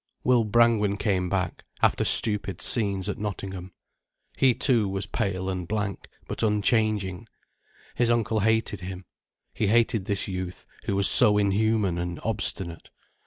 Will Brangwen came back, after stupid scenes at Nottingham. He too was pale and blank, but unchanging. His uncle hated him. He hated this youth, who was so inhuman and obstinate.